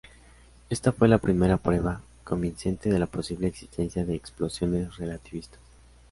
Esta fue la primera prueba convincente de la posible existencia de explosiones relativistas.